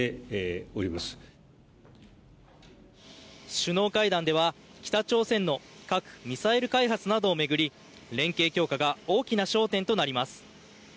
首脳会談では、北朝鮮の核・ミサイル開発などを巡り連携強化が大きな焦点となります。